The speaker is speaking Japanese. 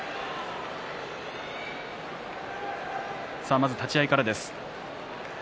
まず立ち合いからです。